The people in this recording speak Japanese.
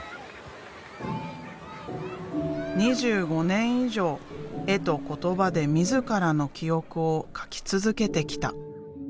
２５年以上絵と言葉で自らの記憶を描き続けてきた。